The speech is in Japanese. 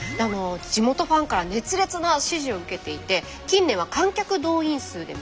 地元ファンから熱烈な支持を受けていて近年は観客動員数でも上位。